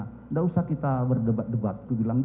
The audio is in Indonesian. tidak usah kita berdebat debat